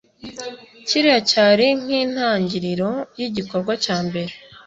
kiriya cyari nk’intangiriro y’igikorwa cya mbere